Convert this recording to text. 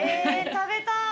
食べたい。